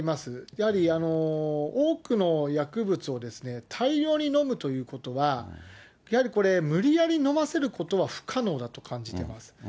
やはり多くの薬物を大量に飲むということは、やはりこれ、無理やり飲ませることは不可能だと感じてます。